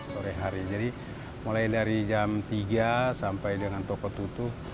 sore hari jadi mulai dari jam tiga sampai dengan toko tutup